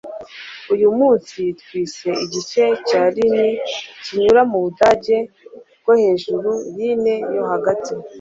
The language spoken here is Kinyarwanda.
Uyu munsi twise igice cya Rhine kinyura mu Budage bwo hejuru Rhine yo hagati .